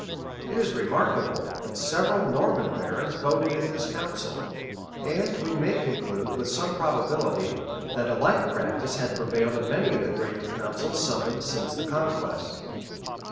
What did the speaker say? It is remarkable, that several Norman barons voted in this council; and we may conclude, with some probability, that a like practice had prevailed in many of the great councils summoned since the conquest.